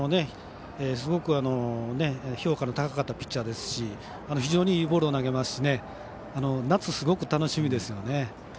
すごく評価の高かったピッチャーでしたし非常にいいボールを投げますしね夏、すごく楽しみですよね。